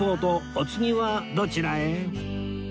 お次はどちらへ？